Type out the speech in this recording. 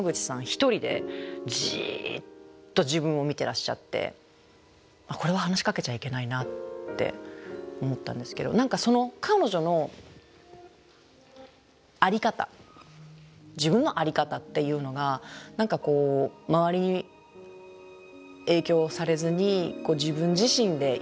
一人でじっと自分を見てらっしゃってこれは話しかけちゃいけないなって思ったんですけど何かその彼女の在り方自分の在り方っていうのが何かこう周りに影響されずに自分自身でいる。